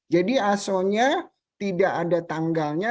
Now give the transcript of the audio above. jadi asonya tidak ada tanggalnya